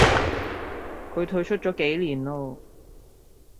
佢退出咗幾年咯